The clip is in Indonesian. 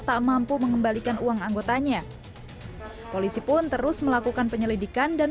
tak mampu mengembalikan uang anggotanya polisi pun terus melakukan penyelidikan dan